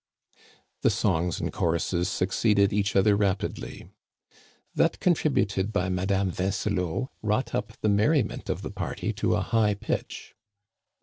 The songs and choruses succeeded each other rap idly. That contributed by Madame Vincelot wrought up the merriment of the party to a high pitch.